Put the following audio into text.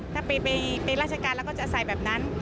ถ้าไปราชการแล้วก็จะใส่แบบนั้น